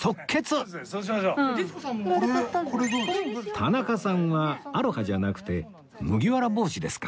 田中さんはアロハじゃなくて麦わら帽子ですか